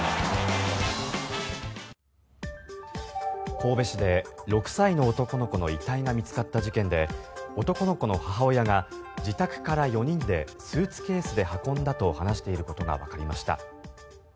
神戸市で６歳の男の子の遺体が見つかった事件で男の子の母親が自宅から４人でスーツケースで運んだと話していることがわかりました。